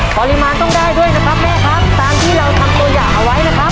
ปริมาณต้องได้ด้วยนะครับแม่ครับตามที่เราทำตัวอย่างเอาไว้นะครับ